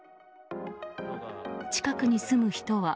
近くに住む人は。